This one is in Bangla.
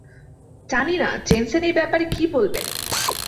জানিনা জেনসেন এই ব্যাপারে কী বলবেন!